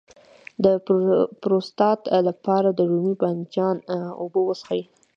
د پروستات لپاره د رومي بانجان اوبه وڅښئ